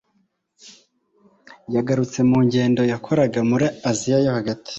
Yagarutse mu ngendo yakoraga muri Aziya yo Hagati.